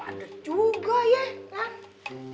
pada juga ya kan